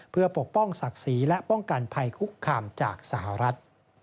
เพื่อปกป้องศักดิ์ศรีและป้องกันภัยคุกคามจากสหรัฐ